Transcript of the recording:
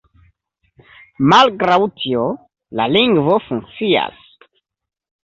Malgraŭ tio, la lingvo funkcias.